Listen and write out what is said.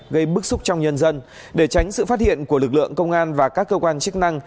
gây bức xúc trong nhân dân để tránh sự phát hiện của lực lượng công an và các cơ quan chức năng